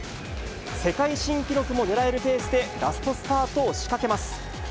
世界新記録もねらえるペースでラストスパートを仕掛けます。